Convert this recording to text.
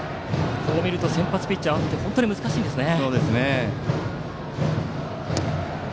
先発ピッチャーって本当に難しいんですね。